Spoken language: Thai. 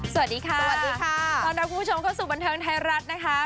สวัสดีค่ะสวัสดีค่ะต้อนรับคุณผู้ชมเข้าสู่บันเทิงไทยรัฐนะคะ